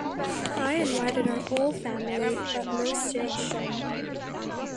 I invited our whole family but most didn't show